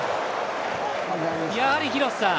やはり、廣瀬さん